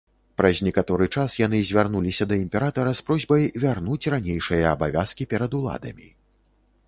Праз некаторы час яны звярнуліся да імператара з просьбай вярнуць ранейшыя абавязкі перад уладамі.